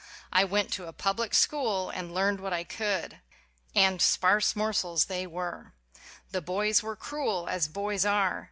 I went to a public school and learned what I could. And sparse morsels they were! The boys were cruel, as boys are.